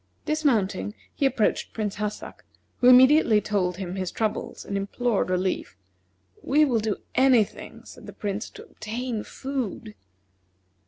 Dismounting, he approached Prince Hassak, who immediately told him his troubles and implored relief. "We will do any thing," said the Prince, "to obtain food."